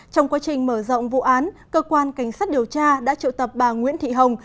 trong quá trình mở rộng vụ án cơ quan cảnh sát điều tra đã triệu tập bà nguyễn thị hồng